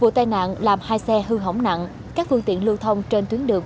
vụ tai nạn làm hai xe hư hỏng nặng các phương tiện lưu thông trên tuyến đường